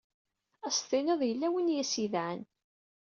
Ad as-tiniḍ yella win i as-idɛan.